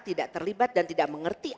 tidak terlibat dan tidak mengerti